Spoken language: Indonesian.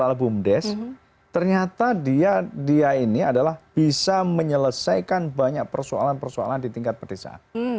jadi ini dikumpulkan oleh bumdes ternyata dia ini adalah bisa menyelesaikan banyak persoalan persoalan di tingkat pedesaan